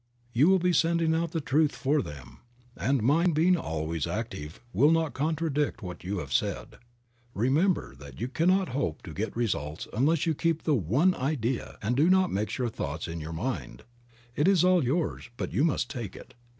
You will be sending out the truth for them, and mind being always active will not contradict what you have said. Remember that you cannot hope to get results unless you keep but the one idea and do not mix thoughts in your mind. All is yours, but you must take it.